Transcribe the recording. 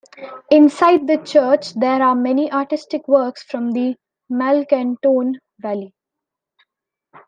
Inside the church there are many artistic works from the Malcantone valley.